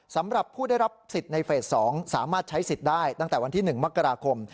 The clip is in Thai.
สำหรับผู้ได้รับสิทธิ์ในเฟส๒สามารถใช้สิทธิ์ได้ตั้งแต่วันที่๑มกราคม